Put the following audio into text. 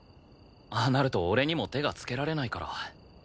ああなると俺にも手がつけられないから。